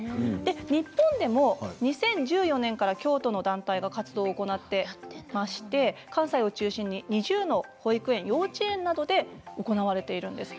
日本でも２０１４年から京都の団体が活動を行っていて関西を中心に２０の保育園幼稚園などで行われているんです。